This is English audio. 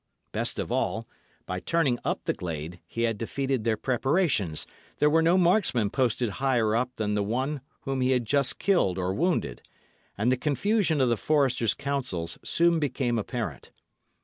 Best of all, by turning up the glade he had defeated their preparations; there were no marksmen posted higher up than the one whom he had just killed or wounded; and the confusion of the foresters' counsels soon became apparent.